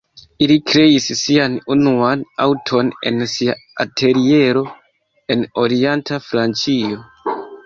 Ili kreis sian unuan aŭton en sia ateliero en orienta Francio.